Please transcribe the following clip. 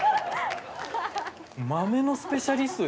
豆のスペシャリスト！